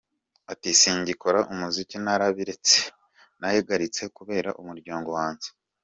Ati “Singikora umuziki narabiretse, nabihagaritse kubera umuryango wanjye.